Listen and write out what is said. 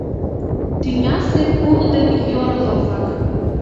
Тӱнясе кул ден йорло-влак!..